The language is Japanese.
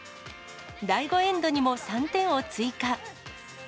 第５エンドにも３点を追加。